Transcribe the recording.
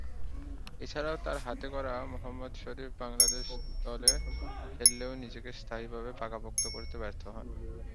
এছাড়াও, তার হাতে গড়া মোহাম্মদ শরীফ বাংলাদেশ দলে খেললেও নিজেকে স্থায়ীভাবে পাকাপোক্ত করতে ব্যর্থ হন।